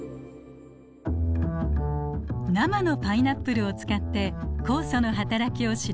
生のパイナップルを使って酵素のはたらきを調べてみましょう。